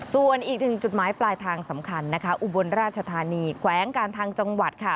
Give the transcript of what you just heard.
ส่วนอีกหนึ่งจุดหมายปลายทางสำคัญนะคะอุบลราชธานีแขวงการทางจังหวัดค่ะ